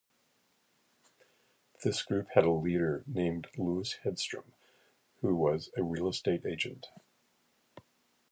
This group had a leader named Lewis Headstrom, who was a real estate agent.